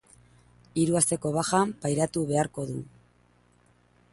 Hiru asteko baja pairatu beharko du.